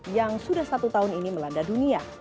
yang sudah satu tahun ini melanda dunia